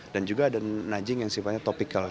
dan juga ada najin yang sifatnya topikal